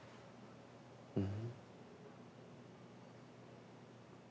うん。